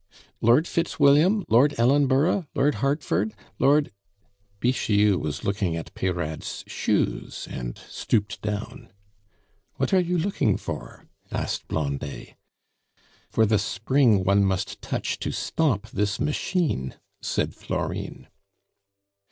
"Lord Fitzwilliam, Lord Ellenborough, Lord Hertford, Lord " Bixiou was looking at Peyrade's shoes, and stooped down. "What are you looking for?" asked Blondet. "For the spring one must touch to stop this machine," said Florine.